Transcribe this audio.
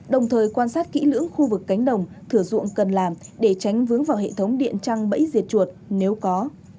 đồng thời quan sát kỹ lưỡng khu vực cánh đồng thửa ruộng cần làm để tránh vướng vào hệ thống điện trăng bẫy diệt chuột nếu có